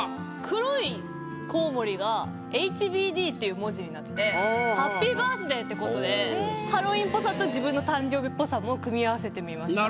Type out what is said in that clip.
黒いコウモリが「ＨＢＤ」っていう文字になってて「ハッピーバースデー」ってことでハロウィーンっぽさと自分の誕生日っぽさも組み合わせてみました。